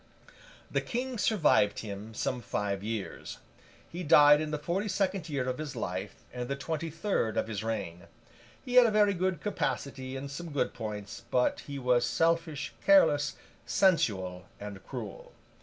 The King survived him some five years. He died in the forty second year of his life, and the twenty third of his reign. He had a very good capacity and some good points, but he was selfish, careless, sensual, and cruel.